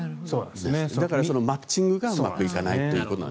だから、マッチングがうまくいかないということです。